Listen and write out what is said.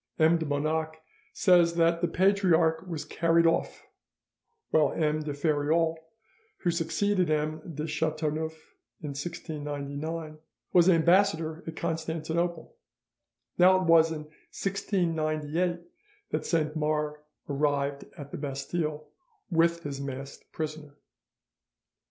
M. de Bonac says that the Patriarch was carried off, while M. de Feriol, who succeeded M. de Chateauneuf in 1699, was ambassador at Constantinople. Now it was in 1698 that Saint Mars arrived at the Bastille with his masked prisoner.